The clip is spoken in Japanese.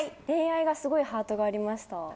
恋愛がすごいハートがありました。